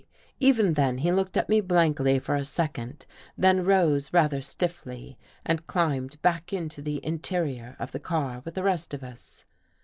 Even then he looked at me blankly for a second, then rose rather stiffly and climbed back into the interior of the car with the rest of us.